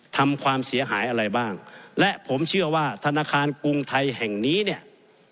ทำความเสียหายอะไรบ้างและผมเชื่อว่าธนาคารกรุงไทยแห่งนี้เนี่ย